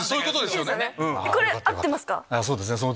これ合ってますか？